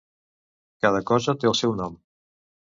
Cada cosa té el seu nom.